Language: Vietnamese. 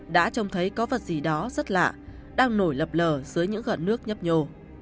đã trông thấy có vật gì đó rất lạ đang nổi lập lờ dưới những gợn nước nhấp nhô